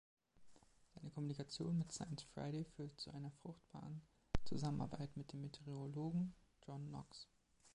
Seine Kommunikation mit „Science Friday“ führte zu einer fruchtbaren Zusammenarbeit mit dem Meteorologen John Knox.